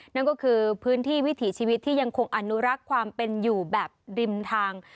นั่นก็คือพื้นที่วิถีชีวิตที่ยังคงอนุรักษ์ความเป็นอยู่แบบริมทาง